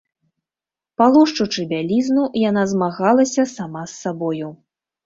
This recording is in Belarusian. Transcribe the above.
Палошчучы бялізну, яна змагалася сама з сабою.